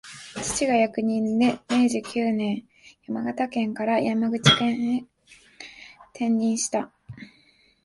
父が役人で、明治九年、山形県から山口県へ転任した